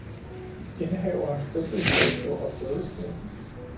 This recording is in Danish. Indehaverens fødselsdato og fødested